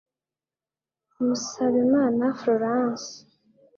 musabimana florence